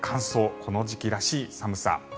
この時期らしい寒さ。